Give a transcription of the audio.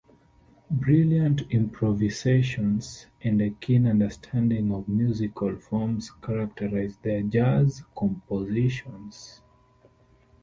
Brilliant improvisations and a keen understanding of musical forms characterize their jazz compositions.